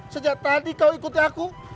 sejak tadi kau ikuti aku